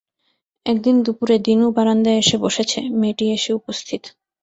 একদিন দুপুরে দিনু বারান্দায় এসে বসেছে, মেয়েটি এসে উপস্থিত।